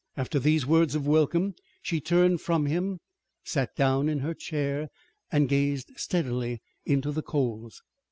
After these words of welcome she turned from him, sat down in her chair and gazed steadily into the coals.